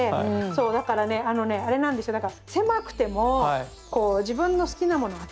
そうだからねあのねあれなんですよだから狭くてもこう自分の好きなものを諦めない。